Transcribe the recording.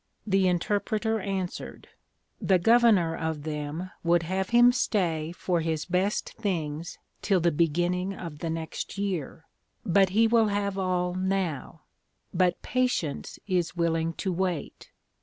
The Interpreter answered, The Governor of them would have him stay for his best things till the beginning of the next year; but he will have all now; but Patience is willing to wait.